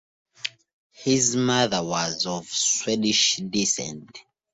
His mother was of Swedish descent.